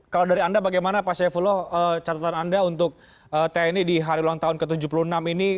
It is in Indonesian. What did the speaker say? kalau dari anda bagaimana pak syaifullah catatan anda untuk tni di hari ulang tahun ke tujuh puluh enam ini